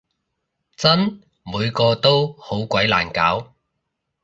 真！每個都好鬼難搞